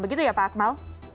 begitu ya pak akmal